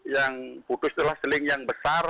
yang putus adalah sling yang besar